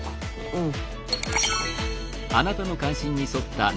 うん。